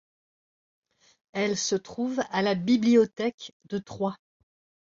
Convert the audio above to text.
Elle se trouve à la Bibliothèque de Troyes.